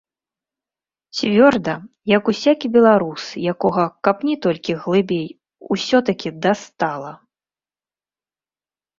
Цвёрда, як усякі беларус, якога, капні толькі глыбей, усё-такі дастала!